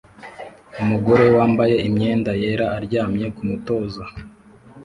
Umugore wambaye imyenda yera aryamye kumutoza